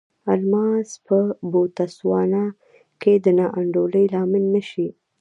الماس به په بوتسوانا کې د نا انډولۍ لامل نه شي.